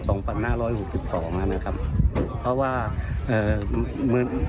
สองพันหน้าร้อยหกสิบสองนะครับเพราะว่าเอ่อมือ